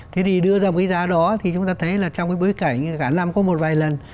thế thì đưa ra một cái giá đó thì chúng ta thấy là trong cái bối cảnh cả năm có một vài lần